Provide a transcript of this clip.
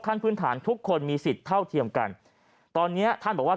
พื้นฐานทุกคนมีสิทธิ์เท่าเทียมกันตอนเนี้ยท่านบอกว่า